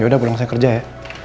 ya udah gue langsung kerja ya